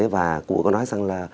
và cũng có nói rằng là